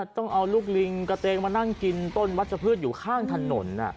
ต้องเอาลูกลิงกระเตงมานั่งกินต้นวัชพืชอยู่ข้างถนน